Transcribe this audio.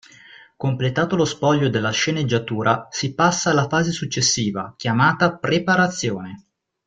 Completato lo spoglio della sceneggiatura si passa alla fase successiva, chiamata preparazione.